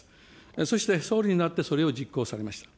そして、総理になってそれを実行されました。